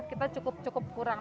kita cukup cukup kurang